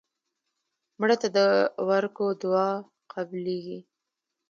مړه ته د ورکو دعا قبلیږي